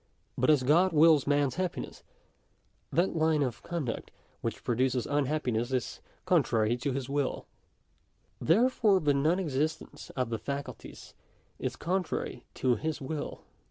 But as God wills mans happiness, that line of con duct which produces unhappiness is contrary to his wilL Therefore the non exercise of the faculties is contrary to his will.